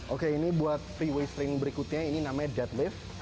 oke ini buat free weight training berikutnya ini namanya deadlift